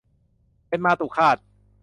เป็นมาตุฆาต